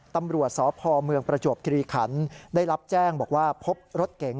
ตำรวจสพเมืองประจวบคิริขันได้รับแจ้งบอกว่าพบรถเก๋ง